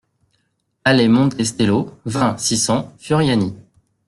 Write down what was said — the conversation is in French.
Allée Monte Stello, vingt, six cents Furiani